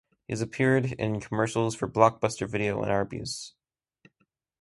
He has appeared in commercials for Blockbuster Video and Arby's.